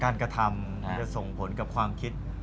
กระทำมันจะส่งผลกับความคิด